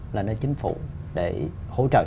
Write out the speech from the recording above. là nơi chính phủ để hỗ trợ